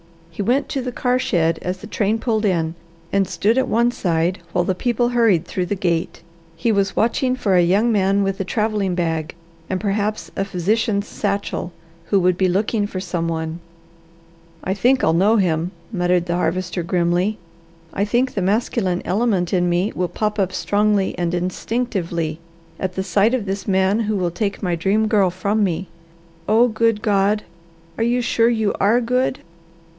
He went to the car shed as the train pulled in, and stood at one side while the people hurried through the gate. He was watching for a young man with a travelling bag and perhaps a physician's satchel, who would be looking for some one. "I think I'll know him," muttered the Harvester grimly. "I think the masculine element in me will pop up strongly and instinctively at the sight of this man who will take my Dream Girl from me. Oh good God! Are You sure You ARE good?"